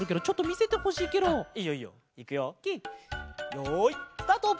よいスタート！